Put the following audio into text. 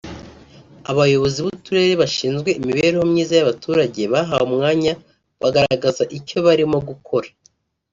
Abayobozi buturere bashinzwe imibereho myiza y’abaturage bahawe umwanya bagaragaza icyo barimo gukora